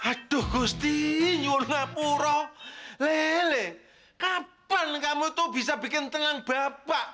aduh gusti nyuruh nyuruh lele kapan kamu tuh bisa bikin tengang bapak